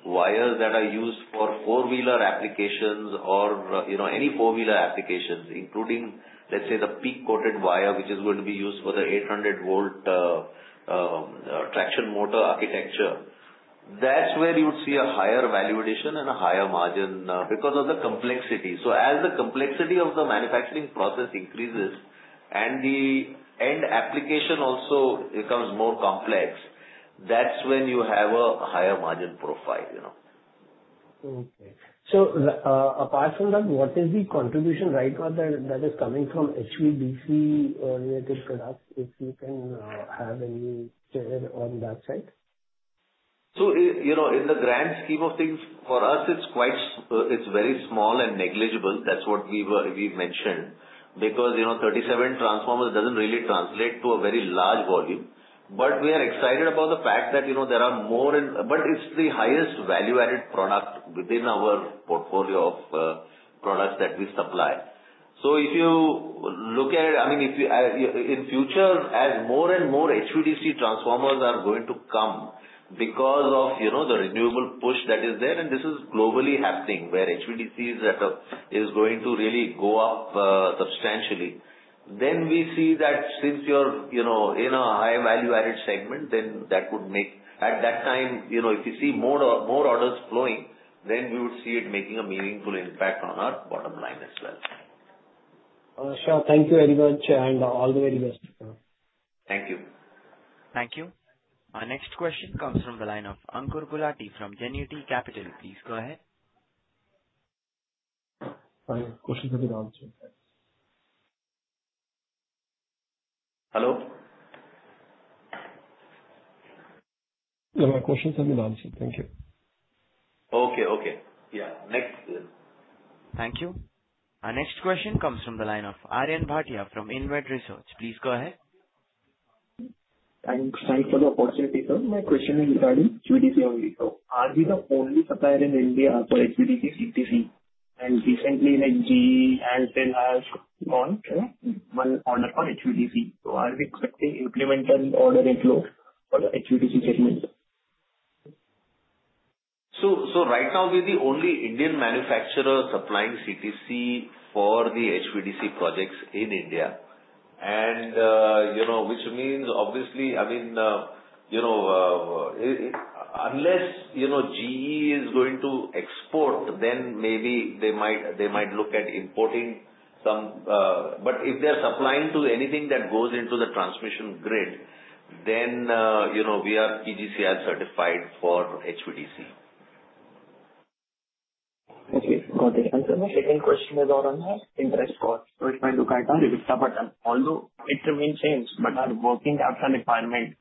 C: wires that are used for four-wheeler applications or any four-wheeler applications, including, let's say, the PEEK coated wire, which is going to be used for the 800 V traction motor architecture That's where you would see a higher value addition and a higher margin because of the complexity. As the complexity of the manufacturing process increases and the end application also becomes more complex, that's when you have a higher margin profile.
K: Okay. Apart from that, what is the contribution right now that is coming from HVDC related products, if you can have any share on that side?
C: In the grand scheme of things, for us, it's very small and negligible. That's what we mentioned because 37 transformers doesn't really translate to a very large volume. It's the highest value-added product within our portfolio of products that we supply. If you look at, in future, as more and more HVDC transformers are going to come because of the renewable push that is there, and this is globally happening, where HVDC setup is going to really go up substantially, then we see that since you're in a high value-added segment, then that could make, at that time, if you see more orders flowing, then we would see it making a meaningful impact on our bottom line as well.
K: Sure. Thank you very much and all the very best.
C: Thank you.
A: Thank you. Our next question comes from the line of Ankur Gulati from Gennity Capital. Please go ahead.
L: My questions have been answered.
C: Hello?
F: Yeah, my questions have been answered. Thank you.
C: Okay. Yeah. Next.
A: Thank you. Our next question comes from the line of Aryan Bhatia from Invict Research. Please go ahead.
M: Thanks for the opportunity, sir. My question is regarding HVDC only, are we the only supplier in India for HVDC CTC? Recently, like GE and Tel have gone one order for HVDC. Are we expecting incremental order inflow for the HVDC segment?
C: Right now we're the only Indian manufacturer supplying CTC for the HVDC projects in India. Which means obviously, unless GE is going to export, then maybe they might look at importing some. If they're supplying to anything that goes into the transmission grid, then we are EGCR certified for HVDC.
M: Okay. Got the answer. My second question is on our interest cost. If I look at our EBITDA pattern, although it remains same, but our working capital requirement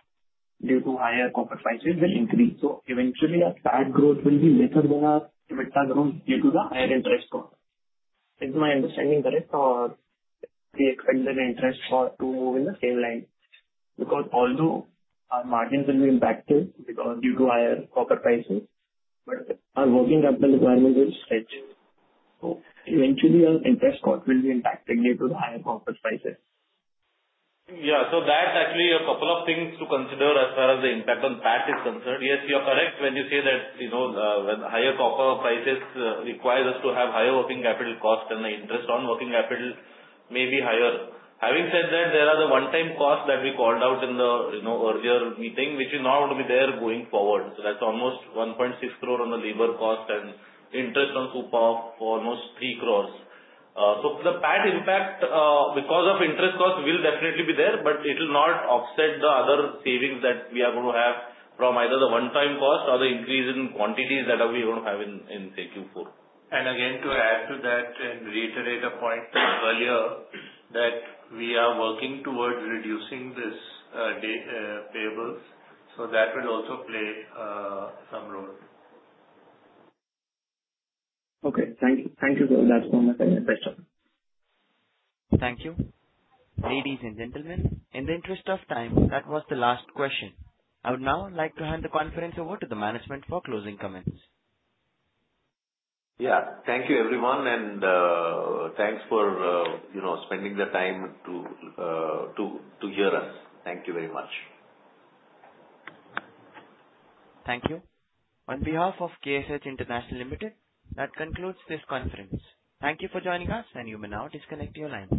M: due to higher copper prices will increase. Eventually our PAT growth will be lesser than our EBITDA growth due to the higher interest cost. Is my understanding correct, or we expect that interest cost to move in the same line? Although our margins will be impacted because due to higher copper prices, but our working capital requirement will stretch. Eventually our interest cost will be impacted due to the higher copper prices.
D: Yeah. That's actually a couple of things to consider as far as the impact on PAT is concerned. Yes, you're correct when you say that higher copper prices require us to have higher working capital cost and the interest on working capital may be higher. Having said that, there are the one-time costs that we called out in the earlier meeting, which is now going to be there going forward. That's almost 1.6 crore on the labor cost and interest on coupon for almost 3 crores. The PAT impact because of interest cost will definitely be there, but it will not offset the other savings that we are going to have from either the one-time cost or the increase in quantities that we will have in Q4.
F: Again, to add to that and reiterate a point earlier, that we are working towards reducing these payables, that will also play some role.
M: Okay. Thank you. Thank you, sir. That's one my side question.
A: Thank you. Ladies and gentlemen, in the interest of time, that was the last question. I would now like to hand the conference over to the management for closing comments.
C: Yeah. Thank you, everyone, and thanks for spending the time to hear us. Thank you very much.
A: Thank you. On behalf of KSH International Limited, that concludes this conference. Thank you for joining us, and you may now disconnect your lines.